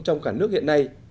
trong cả nước hiện nay